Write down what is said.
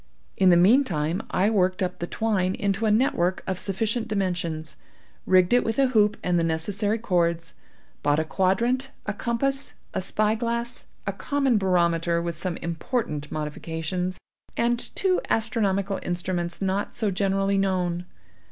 In the meantime I worked up the twine into a net work of sufficient dimensions; rigged it with a hoop and the necessary cords; bought a quadrant, a compass, a spy glass, a common barometer with some important modifications, and two astronomical instruments not so generally known.